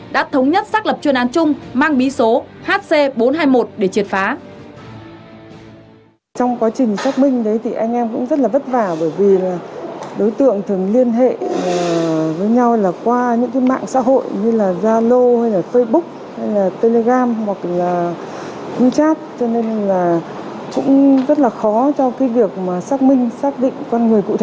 đã thống nhất xác lập chuyên án chung mang bí số hc bốn trăm hai mươi một để triệt phá